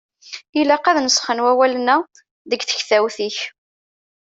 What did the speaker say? Ilaq ad nesxen wawalen-a deg tektawt-ik.